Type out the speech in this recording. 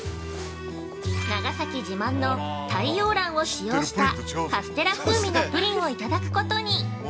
◆長崎自慢の太陽卵を使用したカステラ風味のプリンをいただくことに。